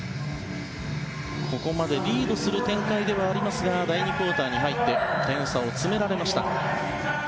ここまでリードする展開ではありますが第２クオーターに入って点差を詰められました。